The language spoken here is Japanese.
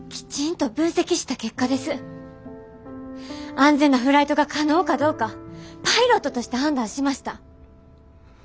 安全なフライトが可能かどうかパイロットとして判断しました。